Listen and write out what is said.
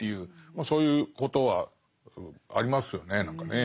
そういうことはありますよね何かね。